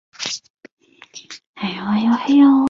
同时这也标志着两位大作曲家终身友谊的开始。